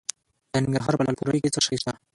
د ننګرهار په لعل پورې کې څه شی شته؟